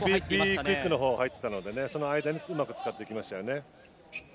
Ｂクイックのほうに入っていたのでその間をうまく使っていきましたよね。